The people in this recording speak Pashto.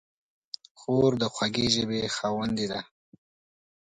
خور د خوږې ژبې خاوندې ده.